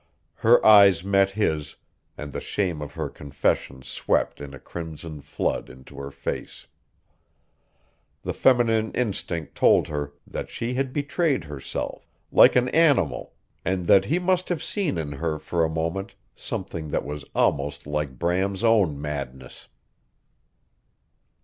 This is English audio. Her eyes met his, and the shame of her confession swept in a crimson flood into her face. The feminine instinct told her that she had betrayed herself like an animal, and that he must have seen in her for a moment something that was almost like Bram's own madness.